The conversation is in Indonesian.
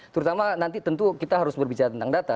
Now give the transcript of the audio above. terutama nanti tentu kita harus berbicara tentang data